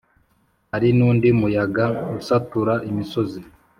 Hari n’undi muyaga usatura imisozi,